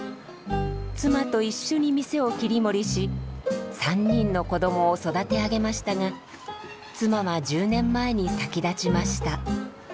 妻と一緒に店を切り盛りし３人の子どもを育て上げましたが妻は１０年前に先立ちました。